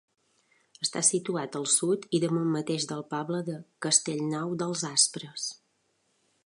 Està situat al sud i damunt mateix del poble de Castellnou dels Aspres.